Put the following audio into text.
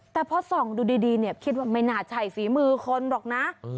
แต่พอส่องดูดีเนี่ยคิดว่าไม่น่าใช่ฝีมือคนหรอกนะ